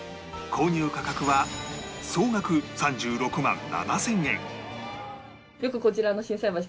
購入価格は総額３６万７０００円